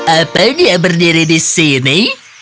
apa dia berdiri di sini